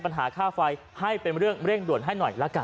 โปรดติดตามตอนต่อไป